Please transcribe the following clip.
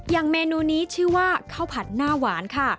เมนูนี้ชื่อว่าข้าวผัดหน้าหวานค่ะ